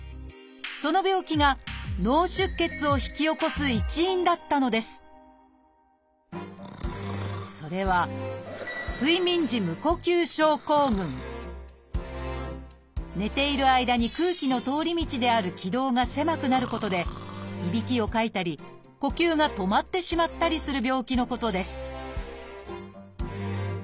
その病気が脳出血を引き起こす一因だったのですそれは寝ている間に空気の通り道である気道が狭くなることでいびきをかいたり呼吸が止まってしまったりする病気のことです